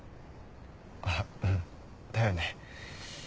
あっうんだよね。